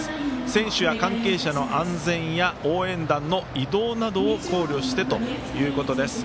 選手や関係者の安全や応援団の移動などを考慮してということです。